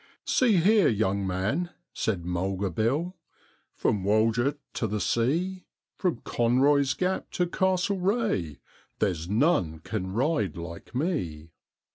'See, here, young man,' said Mulga Bill, 'from Walgett to the sea, From Conroy's Gap to Castlereagh, there's none can ride like me.